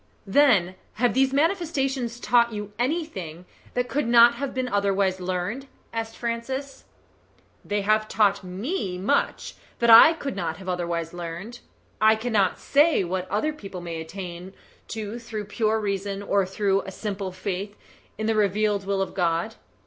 "Then have these manifestations taught you anything that could not have been otherwise learned?" asked Francis. "They have taught ME much that I could not have otherwise learned. I cannot say what other people may attain to through pure reason or through a simple faith in the revealed will of God.